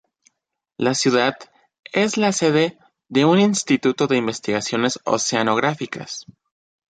La ciudad es la sede de un instituto de investigaciones oceanográficas.